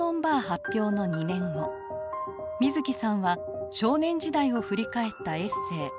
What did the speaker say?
発表の２年後水木さんは少年時代を振り返ったエッセイ